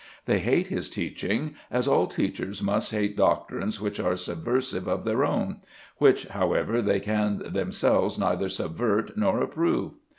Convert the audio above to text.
They hate his teaching, as all teachers must hate doctrines which are subversive of their own which, however, they can themselves neither subvert nor approve.